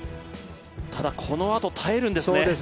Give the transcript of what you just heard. ただ、このあと耐えるんですね。